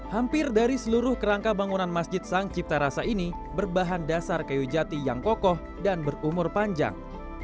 hampir dari seluruh kerangka bangunan masjid sang cipta rasa ini berbahan dasar kayu jati yang kokoh dan berumur panjang